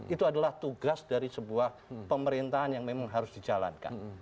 itu adalah tugas dari sebuah pemerintahan yang memang harus dijalankan